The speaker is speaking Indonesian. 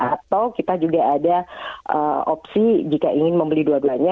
atau kita juga ada opsi jika ingin membeli dua duanya